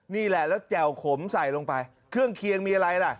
นี่แหละแล้วแจ่วขมใส่ลงไปเครื่องเคียงมีอะไรล่ะ